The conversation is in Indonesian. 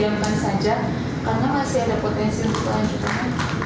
didiamkan saja karena masih ada